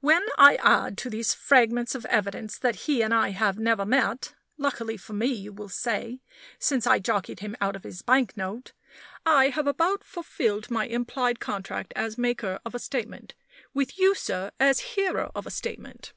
When I add to these fragments of evidence that he and I have never met (luckily for me, you will say) since I jockeyed him out of his banknote, I have about fulfilled my implied contract as maker of a statement with you, sir, as hearer of a statement.